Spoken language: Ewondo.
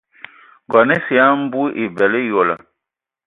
Ngɔn esə ya mbu ebələ eyole.